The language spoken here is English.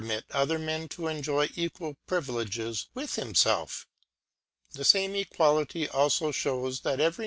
tit other Men to enjoy Equal Pri vileges with himfelf The fame Equality alfo fhews what every IV.